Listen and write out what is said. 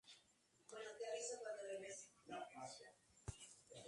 Sirvió de scout para los Cincinnati Reds por un breve periodo de tiempo.